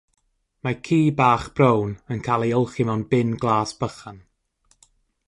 Mae ci bach brown yn cael ei olchi mewn bin glas bychan.